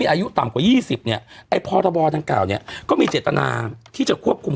อืมอืมอืมอืมอืมอืม